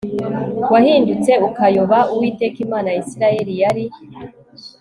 wahindutse ukayoba Uwiteka Imana ya Isirayeli yari